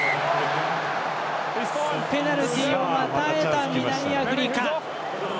ペナルティをまた得た南アフリカ。